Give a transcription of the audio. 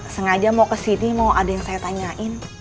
sengaja mau kesini mau ada yang saya tanyain